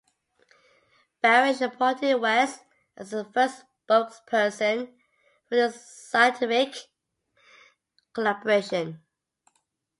Barish appointed Weiss as the first spokesperson for this scientific collaboration.